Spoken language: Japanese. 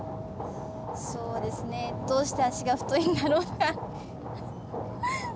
そうですねどうして足が太いんだろう。